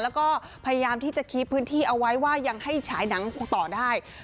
แล้วก็พยายามที่จะคีบพื้นที่เอาไว้ว่ายังให้ฉายหนังต่อได้